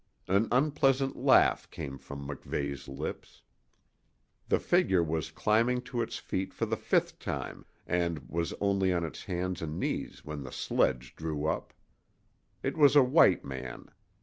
An unpleasant laugh came from MacVeigh's lips. The figure was climbing to its feet for the fifth time, and was only on its hands and knees when the sledge drew up. It was a white man.